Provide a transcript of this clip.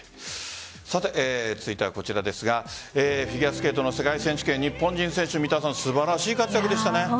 さて続いてはこちらですがフィギュアスケートの世界選手権日本人選手三田さん素晴らしい活躍でしたね。